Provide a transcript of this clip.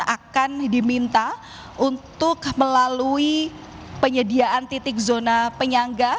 akan diminta untuk melalui penyediaan titik zona penyangga